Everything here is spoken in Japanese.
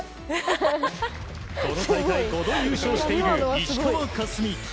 この大会で５度優勝している石川佳純。